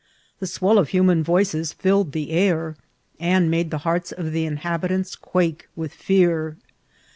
The swell of human voices filled the air, and made the hearts of the inhabitants quake vnth fear.